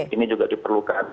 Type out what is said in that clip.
ini juga diperlukan